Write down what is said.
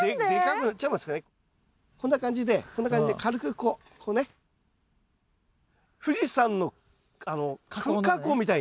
こんな感じでこんな感じで軽くこうこうね富士山の噴火口みたいにねするわけです。